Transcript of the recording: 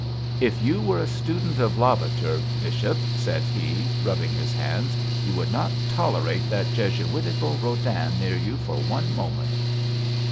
'If you were a student of Lavater, bishop,' said he, rubbing his hands, 'you would not tolerate that Jesuitical Rodin near you for one moment.'